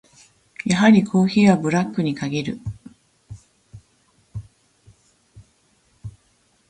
やはりコーヒーはブラックに限る。